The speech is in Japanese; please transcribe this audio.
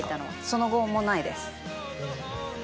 その後もないです。